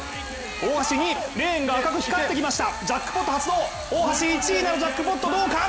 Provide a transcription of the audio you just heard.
大橋２位、レーンが赤く光ってきました、ジャックポット発動、大橋１位ならジャックポットどうか？